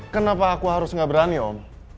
kenapa aku harus gak berani om